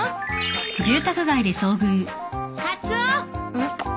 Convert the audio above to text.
うん？